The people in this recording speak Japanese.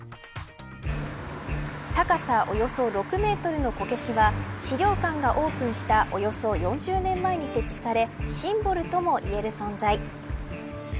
高さおよそ６メートルのこけしは資料館がオープンしたおよそ４０年前に設置されシンボルともいえる存在。